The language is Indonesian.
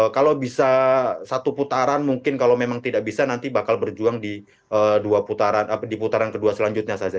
kalau bisa satu putaran mungkin kalau memang tidak bisa nanti bakal berjuang di putaran kedua selanjutnya saja